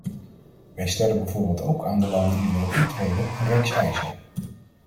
We stellen bijvoorbeeld ook aan de landen die willen toetreden een reeks eisen.